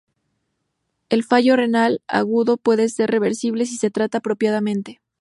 El fallo renal agudo puede ser reversible si se trata apropiadamente.